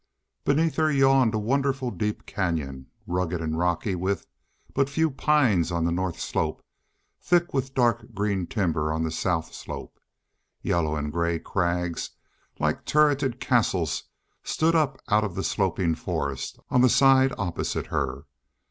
Beneath her yawned a wonderful deep canyon, rugged and rocky with but few pines on the north slope, thick with dark green timber on the south slope. Yellow and gray crags, like turreted castles, stood up out of the sloping forest on the side opposite her.